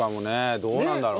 どうなんだろうね。